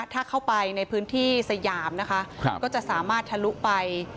ถ้าเข้าไปในพื้นที่สยามนะคะก็จะสามารถทะลุไป